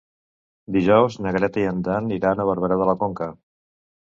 Dijous na Greta i en Dan iran a Barberà de la Conca.